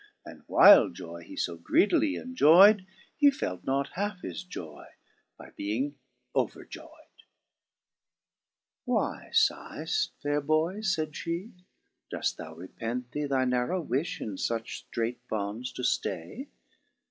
And while joy he fo greedily enjoy*d. He felt not halfe his joy by being oveijoy'd, 4 " Why fighft ? faire Boy/' (fayd flie) " doft thou repent thee Thy narrow wifli in fuch ftraight bonds to ftay